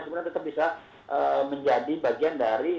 kemudian tetap bisa menjadi bagian dari